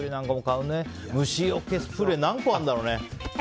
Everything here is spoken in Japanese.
虫よけスプレー何個あるんだろうね。